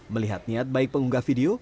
melihat niat baik pengunggah video